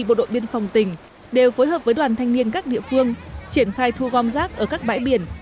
bộ đội biên phòng tỉnh đều phối hợp với đoàn thanh niên các địa phương triển khai thu gom rác ở các bãi biển